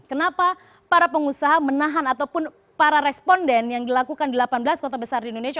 kenapa para pengusaha menahan ataupun para responden yang dilakukan di delapan belas kota besar di indonesia